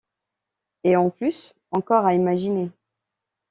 Et en plus encore à imaginer.